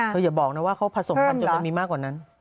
อย่าบอกนะว่าเขาผสมพันธ์จนมันมีมากกว่านั้น